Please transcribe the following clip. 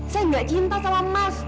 saya nggak cinta sama emas